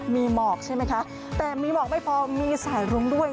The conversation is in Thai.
มีหมอกใช่ไหมคะแต่มีหมอกไม่พอมีสายรุ้งด้วย